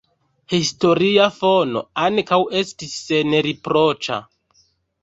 Historia fono ankaŭ estas senriproĉa.